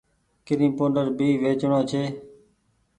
ڪريم پوڊر ڀي ويچڻو ڇي۔